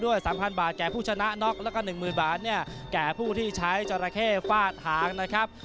ว่าหนึ่งหมื่นบาทเนี่ยแก่ผู้ที่ใช้จราเข้ฟาดหางนะครับ